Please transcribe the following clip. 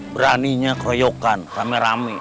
beraninya kroyokan rame rame